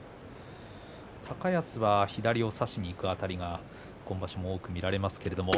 高安は左を差しにいくあたりが今場所も多く見られますけれども。